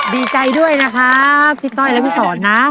ดีใจด้วยนะครับพี่ต้อยและพี่สอนนะ